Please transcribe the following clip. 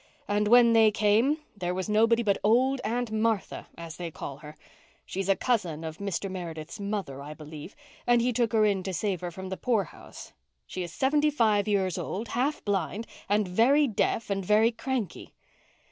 And when they came there was nobody but old Aunt Martha, as they call her. She's a cousin of Mr. Meredith's mother, I believe, and he took her in to save her from the poorhouse. She is seventy five years old, half blind, and very deaf and very cranky."